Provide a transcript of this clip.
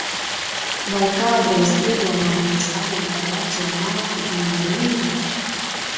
Vai kādreiz iedomājies arī par veco māti un Lienīti?